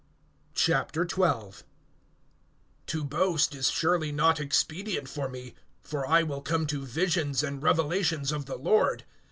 XII. TO boast is surely not expedient for me; for I will come to visions and revelations of the Lord.